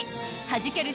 ［はじける